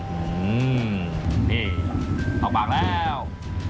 อื้อนี่เข้าปากแล้ว